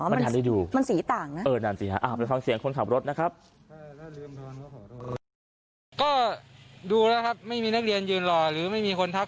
มันทานได้ดูมันสี่ต่างนะเออนั่นสิครับ